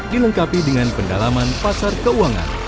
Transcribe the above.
dilengkapi dengan pendalaman pasar keuangan